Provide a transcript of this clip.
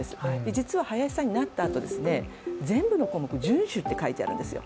実は林さんになったあと、全部の項目を遵守って書いてあるんですよ。